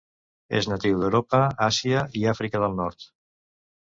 És natiu d’Europa, Àsia i Àfrica del Nord.